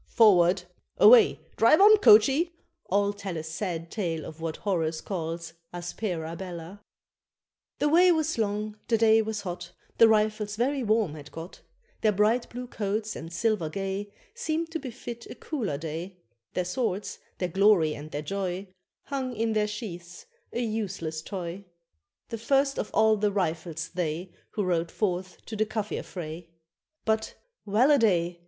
"Forward!" Away! "Drive on, coachee!" all tell a Sad tale of what Horace calls aspera bella. The way was long, the day was hot, The Rifles very warm had got; Their bright blue coats and silver gay Seemed to befit a cooler day; Their swords, their glory and their joy, Hung in their sheaths, a useless toy; The first of all the Rifles they Who rode forth to the Kafir fray. But, well a day!